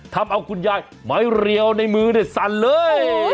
ทำเอาคุณยายไม้เรียวในมือสั่นเลย